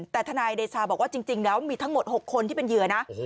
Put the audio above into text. แต่ทนายเดชาบอกว่าจริงแล้วมีทั้งหมด๖คนที่เป็นเหยื่อนะ